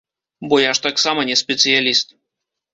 Бо я ж таксама не спецыяліст.